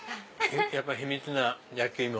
やっぱり秘蜜な焼き芋。